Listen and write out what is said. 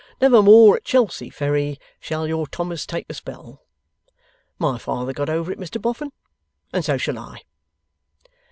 Never more at Chelsea Ferry, Shall your Thomas take a spell! My father got over it, Mr Boffin, and so shall I.